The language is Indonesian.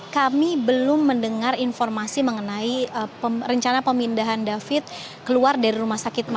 kami belum mendengar informasi mengenai rencana pemindahan david keluar dari rumah sakit